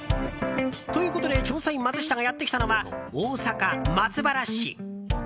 ということで、調査員マツシタがやってきたのは大阪・松原市。